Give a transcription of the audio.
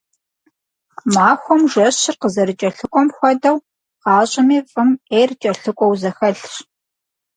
Махуэм жэщыр къызэрыкӀэлъыкӀуэм хуэдэу, гъащӀэми фӀым Ӏейр кӀэлъыкӀуэу зэхэлъщ.